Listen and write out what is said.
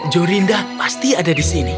jorinda pasti ada di sini